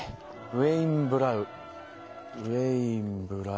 ウエインブラウ。